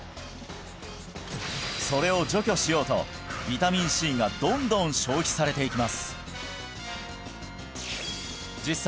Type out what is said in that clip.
それを除去しようとビタミンＣがどんどん消費されていきます